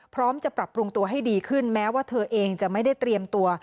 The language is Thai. พร้อมจะปรับปรุงตัวให้ดีขึ้นแม้ว่าเธอเองจะไม่ได้เตรียมตัว